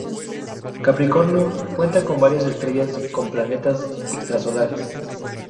Capricornio cuenta con varias estrellas con planetas extrasolares.